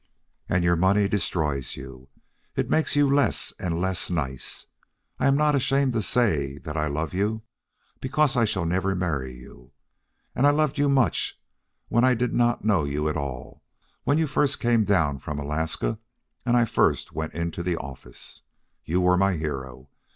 "And your money destroys you; it makes you less and less nice. I am not ashamed to say that I love you, because I shall never marry you. And I loved you much when I did not know you at all, when you first came down from Alaska and I first went into the office. You were my hero.